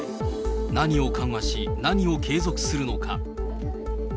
何を緩和し、何を継続するのか。